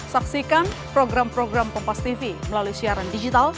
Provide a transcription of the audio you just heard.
saksikan program program pompas tv melalui siaran digital